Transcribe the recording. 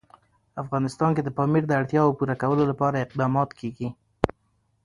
افغانستان کې د پامیر د اړتیاوو پوره کولو لپاره اقدامات کېږي.